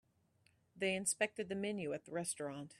They inspected the menu at the restaurant.